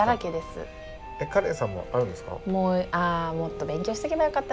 えっカレンさんもあるんですか？